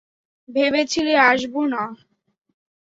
ভেবেছিলে আসবো না?